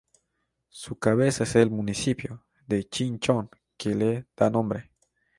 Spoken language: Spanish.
Su cabeza es el municipio de Chinchón que le da nombre.